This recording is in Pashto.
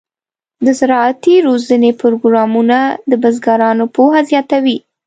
د زراعتي روزنې پروګرامونه د بزګرانو پوهه زیاتوي.